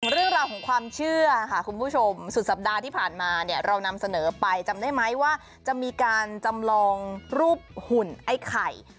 เรื่องราวของความเชื่อค่ะคุณผู้ชมสุดสัปดาห์ที่ผ่านมาเนี่ยเรานำเสนอไปจำได้ไหมว่าจะมีการจำลองรูปหุ่นไอ้ไข่